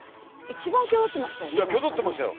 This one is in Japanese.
一番キョドってましたよね。